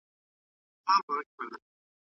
املا د ذهني تمرکز تمرین دی.